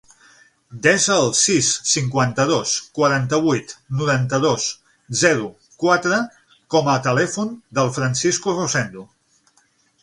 Desa el sis, cinquanta-dos, quaranta-vuit, noranta-dos, zero, quatre com a telèfon del Francisco Rosendo.